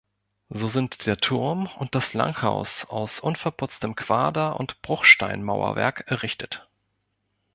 So sind der Turm und das Langhaus aus unverputztem Quader- und Bruchsteinmauerwerk errichtet.